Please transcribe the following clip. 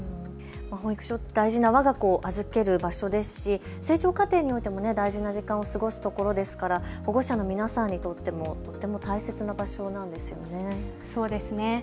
保育所、大事なわが子を預ける場所ですし成長過程においても大事な時間を過ごすところですから、保護者の皆さんにとってもとても大切な場所ですよね。